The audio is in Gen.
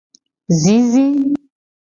Zizi.